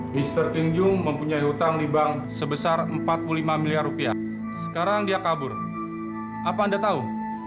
mr tinju mempunyai hutang di bank sebesar empat puluh lima miliar rupiah sekarang dia kabur apa anda tahu